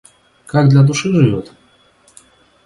Как для души живет?